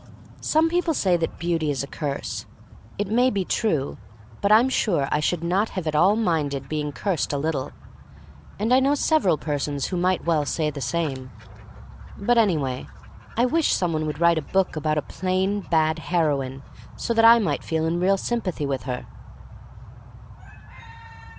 Some people say that beauty is a curse. It may be true, but Tm sure I should not have at all minded being cursed a little. And I know several persons who might well say the same. But, anyway, I wish some one would write a book about a plain, bad heroine so that I might feel in real sympathy with her.